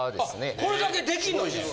あこれだけできんの自分？